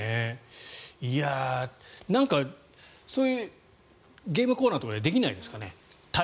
なんかそういうゲームコーナーとかでできないですかね。